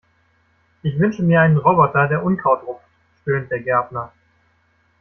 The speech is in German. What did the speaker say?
"Ich wünsche mir einen Roboter, der Unkraut rupft", stöhnt der Gärtner.